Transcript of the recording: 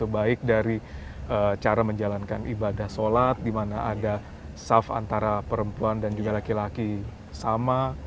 baik dari cara menjalankan ibadah sholat di mana ada saf antara perempuan dan juga laki laki sama